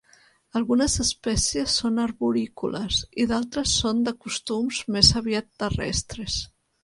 Algunes espècies són arborícoles i d'altres són de costums més aviat terrestres.